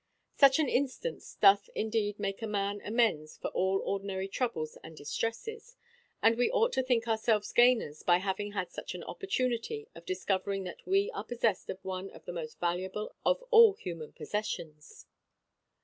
Such an instance doth indeed make a man amends for all ordinary troubles and distresses; and we ought to think ourselves gainers by having had such an opportunity of discovering that we are possessed of one of the most valuable of all human possessions.